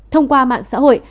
thông qua mạng xã hội